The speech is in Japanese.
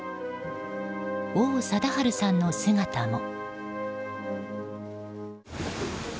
王貞治さんの姿も。